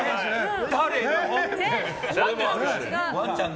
誰の？